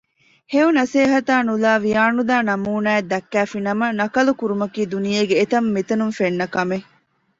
ހެޔޮ ނަސޭހަތާ ނުލައި ވިޔާނުދާ ނަމޫނާއެއް ދައްކައިފިނަމަ ނަކަލު ކުރުމަކީ ދުނިޔޭގެ އެތަންމިތަނުން ފެންނަ ކަމެއް